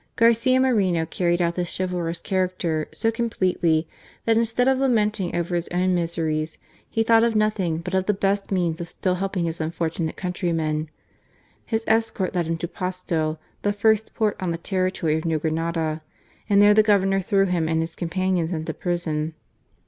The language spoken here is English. Garcia Moreno carried out this chivalrous character so completely that instead of lamenting over his own miseries he thought of nothing but of the best means of still helping his unfortunate countrymen. His ■escort led him to Pasto, the first port on the territory of New Grenada, and there the Governor threw him and his companions into prison.